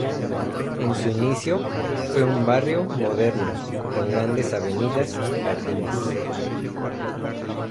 En su inicio fue un barrio moderno, con grandes avenidas y jardines.